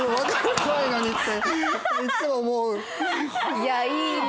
いやいいね。